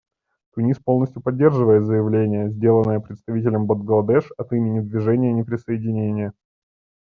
Тунис полностью поддерживает заявление, сделанное представителем Бангладеш от имени Движения неприсоединения.